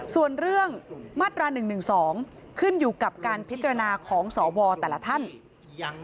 ส่วนเรื่องมาตรา๑๑๒ขึ้นอยู่กับการพิจารณาของสวแต่ละท่าน